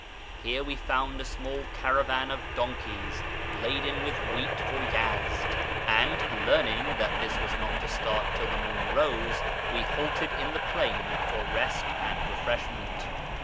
Here we found a small caravan of donkeys, laden with wheat for Yezd ; and, learning that this was not to start till the moon rose, we halted in the plain for rest and refreshment.